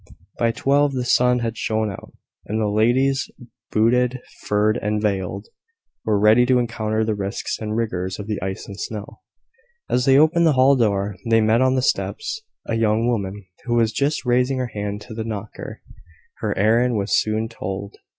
By twelve the sun had shone out, and the ladies, booted, furred, and veiled, were ready to encounter the risks and rigours of the ice and snow. As they opened the hall door they met on the steps a young woman, who was just raising her hand to the knocker. Her errand was soon told.